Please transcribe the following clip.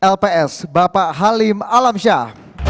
lps bapak halim alamsyah